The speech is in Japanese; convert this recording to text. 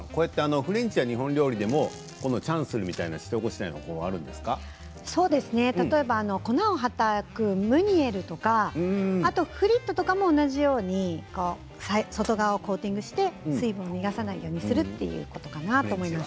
フレンチや日本料理でもこのチャンするみたいな例えば粉をはたくムニエルとかフリットとかも同じように外側をコーティングして水分を逃がさないようにするということかなと思います。